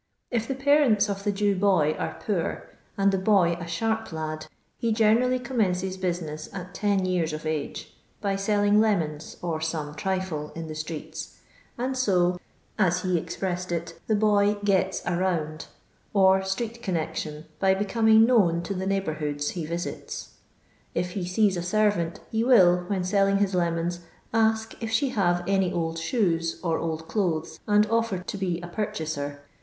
If the parents of the Jew boy are poor, and the boy a sharp lad, he generally com mences business at ten yean of age, by selling lemonsy or some trifle in the ttreetsj, and so, as he ISO LONDON LABOUR AND TUB LONDON POOR. ezpresied it, the bey " geU a round,*' or streetcon nection, by bocoming known to the neighbour^ hoodf he visita. If he leei a eerrant, he will, when telling hii lemoni, oik if she hare any old •hoei or old clothes, and offer to bo a parcfaaaer.